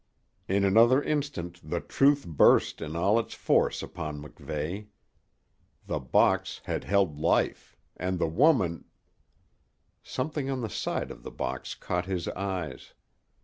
In another instant the truth burst in all its force upon MacVeigh. The box had held life, and the woman Something on the side of the box caught his eyes.